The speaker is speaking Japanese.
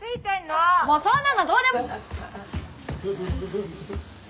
もうそんなのどうでも。